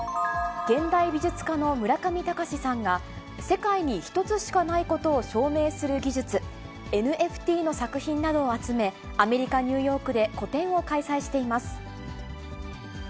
現代美術家の村上隆さんが、世界に一つしかないことを証明する技術、ＮＦＴの作品などを集め、アメリカ・ニューヨークで個展を開催しています。